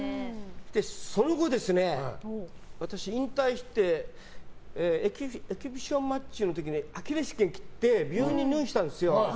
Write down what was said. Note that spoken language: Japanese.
その後、私、引退してエキシビションマッチの時にアキレス腱を切って病院に入院したんですよ。